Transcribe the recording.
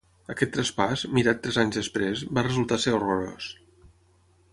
Aquest traspàs, mirat tres anys després, va resultar ser horrorós.